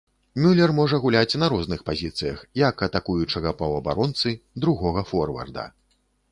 Мюлер можа гуляць на розных пазіцыях, як атакуючага паўабаронцы, другога форварда.